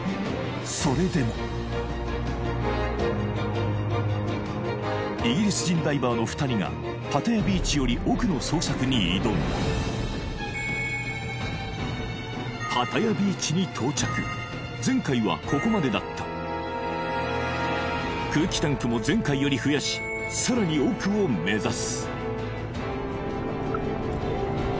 それでもイギリス人ダイバーの２人がパタヤビーチより奥の捜索に挑んだパタヤビーチに到着前回はここまでだった空気タンクも前回より増やしさらに奥を目指す